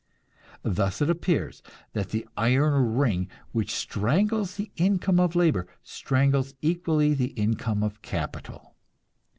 Thus it appears that the "iron ring" which strangles the income of labor, strangles equally the income of capital.